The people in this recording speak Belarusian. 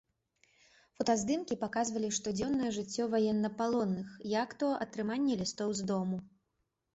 Фотаздымкі паказвалі штодзённае жыццё ваеннапалонных, як то атрыманне лістоў з дому.